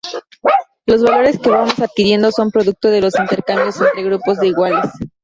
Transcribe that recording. Los valores que vamos adquiriendo son producto de los intercambios entre grupos de iguales.